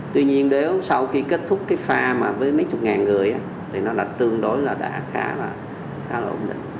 tuy nhiên nếu sau khi kết thúc cái pha mà với mấy chục ngàn người thì nó là tương đối là đã khá là ổn định